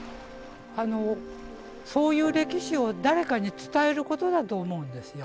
あのそういう歴史を誰かに伝えることだと思うんですよ